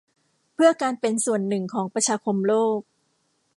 เพื่อการเป็นส่วนหนึ่งของประชาคมโลก